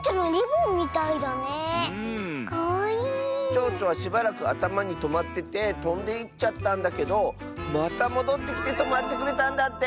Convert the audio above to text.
ちょうちょはしばらくあたまにとまっててとんでいっちゃったんだけどまたもどってきてとまってくれたんだって！